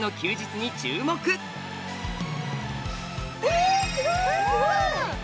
えすごい！